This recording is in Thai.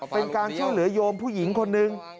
เป็นการช่วยเหลือโยมผู้หญิงคนหนึ่ง